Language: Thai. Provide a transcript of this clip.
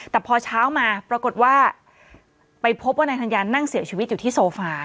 แต่พอเช้ามาปรากฏว่าไปพบว่านายธัญญานั่งเสียชีวิตอยู่ที่โซฟา